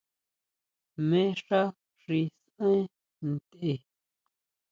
¿Jmé xá xi siʼan ntʼe?